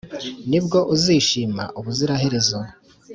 nibwo uzishima ubuziraherezo